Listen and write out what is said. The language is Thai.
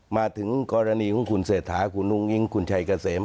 มาถึงกรณีของคุณเศรษฐาคุณอุ้งอิงคุณชัยเกษม